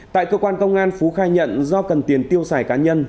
tại cơ quan công an phú khai nhận do cần tiền tiêu xài cá nhân